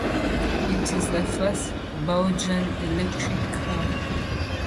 It is the first Baojun electric car.